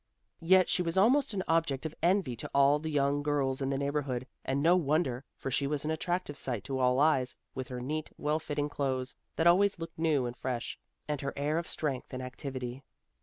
Yet she was almost an object of envy to all the young girls of the neighborhood, and no wonder; for she was an attractive sight to all eyes, with her neat, well fitting clothes, that always looked new and fresh, and her air of strength and activity.